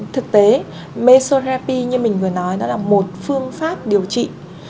thực tế metrorepi như mình vừa nói đó là một phương pháp điều trị